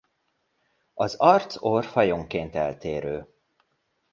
Az arcorr fajonként eltérő.